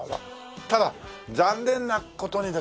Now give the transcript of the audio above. ただ残念な事にですね